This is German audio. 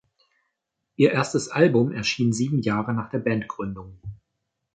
Ihr erstes Album erschien sieben Jahre nach der Bandgründung.